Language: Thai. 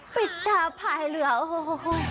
ปิดตาคายเรียว